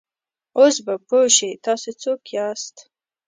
اوس به پوه شې، تاسې څوک یاست؟